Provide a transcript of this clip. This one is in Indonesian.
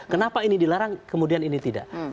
kenapa ini dilarang kemudian ini tidak